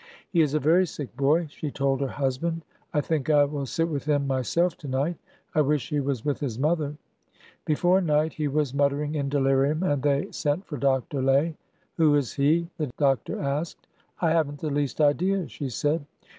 " He is a very sick boy," she told her husband. " I think I will sit with him myself to night. I wish he was with his mother !" Before night he was muttering in delirium, and they sent for Dr. Lay. " Who is he.? " the doctor asked. " I have n't the least idea," she said.